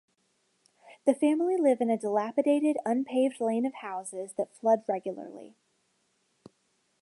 The family live in a dilapidated, unpaved lane of houses that flood regularly.